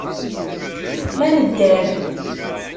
Ma nedder.